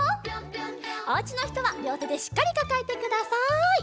おうちのひとはりょうてでしっかりかかえてください。